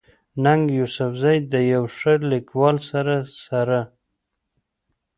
ننګ يوسفزۍ د يو ښه ليکوال سره سره